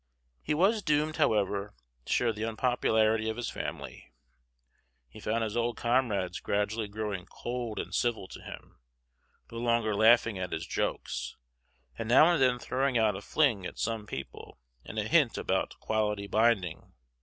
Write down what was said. He was doomed, however, to share the unpopularity of his family. He found his old comrades gradually growing cold and civil to him, no longer laughing at his jokes, and now and then throwing out a fling at "some people" and a hint about "quality binding."